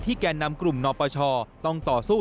แก่นำกลุ่มนปชต้องต่อสู้